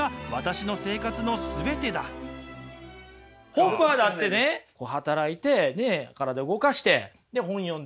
ホッファーだってね働いて体動かして本読んで書いて。